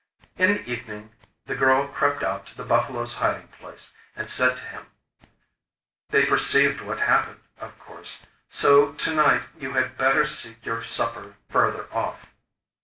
In the evening the girl crept out to the buffalo's hiding place, and said to him: 'They perceived what happened, of course; so to night you had better seek your supper further off.